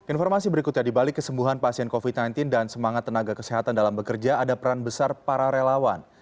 informasi berikutnya dibalik kesembuhan pasien covid sembilan belas dan semangat tenaga kesehatan dalam bekerja ada peran besar para relawan